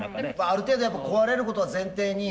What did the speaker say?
ある程度やっぱ壊れることは前提に？